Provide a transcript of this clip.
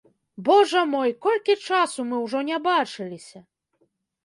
Божа мой, колькі часу мы ўжо не бачыліся!